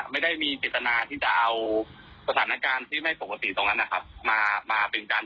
มาเป็นการโปรโมทเป็นการประหลาด